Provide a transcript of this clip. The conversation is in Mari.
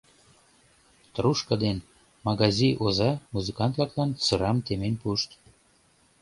Трушка ден «магази» оза музыкант-влаклан сырам темен пуышт.